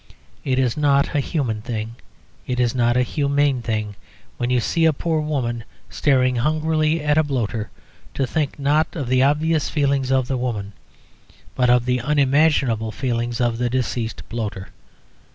It is not a human thing, it is not a humane thing, when you see a poor woman staring hungrily at a bloater, to think, not of the obvious feelings of the woman, but of the unimaginable feelings of the deceased bloater.